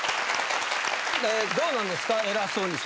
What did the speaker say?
どうなんですか？